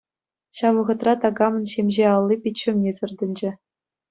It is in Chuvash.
Ҫав вӑхӑтра такамӑн ҫӗмҫе алли пит ҫумне сӗртӗнчӗ.